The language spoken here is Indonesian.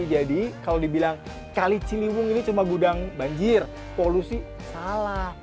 jadi kalau dibilang kali ciliwung ini cuma gudang banjir polusi salah